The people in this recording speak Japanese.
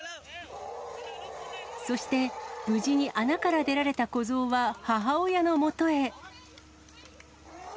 そして、無事に穴から出られた子ゾウは、母親のもとへ。